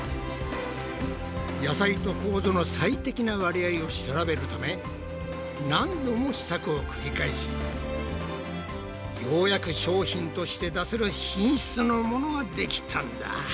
野菜とコウゾの最適な割合を調べるため何度も試作を繰り返しようやく商品として出せる品質のものができたんだ。